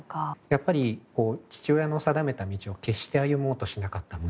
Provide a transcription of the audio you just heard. やっぱり父親の定めた道を決して歩もうとしなかった息子。